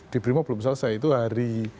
di brimob belum selesai itu hari